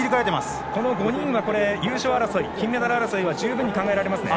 この５人は優勝争い金メダル争いは十分に考えられますね。